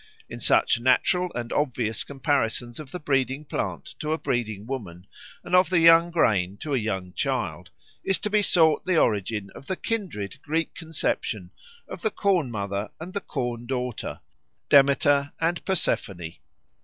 In such natural and obvious comparisons of the breeding plant to a breeding woman, and of the young grain to a young child, is to be sought the origin of the kindred Greek conception of the Corn mother and the Corn daughter, Demeter and Persephone.